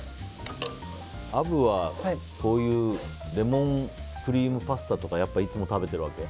アブは、こういうレモンクリームパスタとかやっぱりいつも食べてるわけ？